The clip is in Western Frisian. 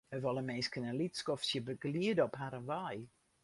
Wy wolle minsken in lyts skoftsje begeliede op harren wei.